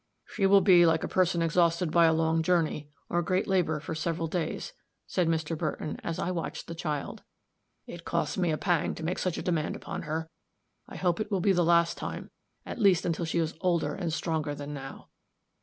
"She will be like a person exhausted by a long journey, or great labor, for several days," said Mr. Burton, as I watched the child. "It cost me a pang to make such a demand upon her; I hope it will be the last time at least until she is older and stronger than now."